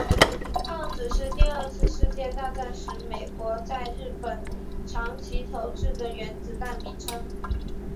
胖子是第二次世界大战时美国在日本长崎投掷的原子弹的名称。